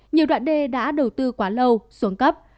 nhiều đoạn đê đã đầu tư quá lâu xuống cấp